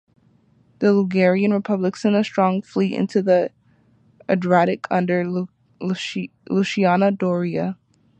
The Ligurian republic sent a strong fleet into the Adriatic under Luciano Doria.